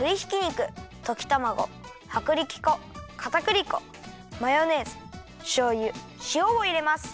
ときたまごはくりき粉かたくり粉マヨネーズしょうゆしおをいれます。